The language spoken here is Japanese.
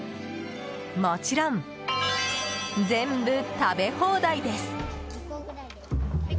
もちろん全部食べ放題です！